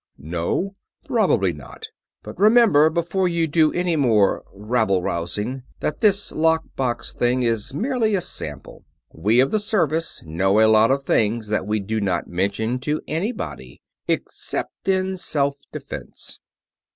"No? Probably not. But remember, before you do any more rabble rousing, that this lock box thing is merely a sample. We of the Service know a lot of things that we do not mention to anybody except in self defense."